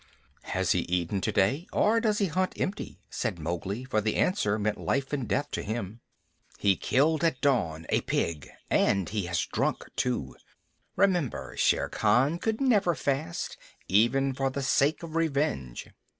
"Has he eaten today, or does he hunt empty?" said Mowgli, for the answer meant life and death to him. "He killed at dawn, a pig, and he has drunk too. Remember, Shere Khan could never fast, even for the sake of revenge."